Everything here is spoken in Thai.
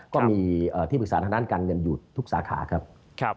ก็มีที่ปรึกษาทางด้านการเงินอยู่ทุกสาขาครับ